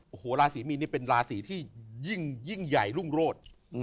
โอ้โหราศีมีนนี่เป็นราศีที่ยิ่งใหญ่รุ่งโรธ